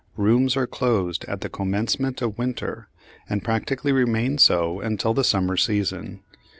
Rooms are closed at the commencement of winter and practically remain so until the summer season.